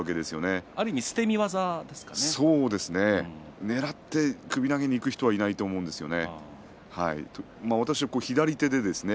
賭けに出るわけですからねらって首投げにいく人はいないと思うんですよね。